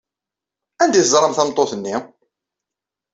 Anda ay teẓram tameṭṭut-nni?